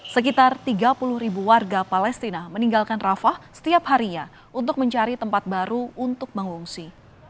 sekitar tiga puluh ribu warga palestina meninggalkan rafah setiap harinya untuk mencari tempat baru untuk mengungsi